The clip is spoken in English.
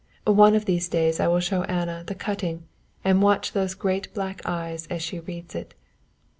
One of these days I will show Anna the cutting and watch those great black eyes as she reads it.